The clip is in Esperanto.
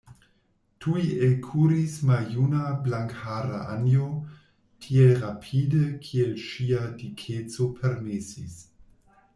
Tuj elkuris maljuna, blankhara Anjo, tiel rapide, kiel ŝia dikeco permesis.